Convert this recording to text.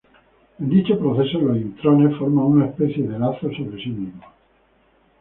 En dicho proceso, los intrones forman una especie de lazo sobre sí mismos.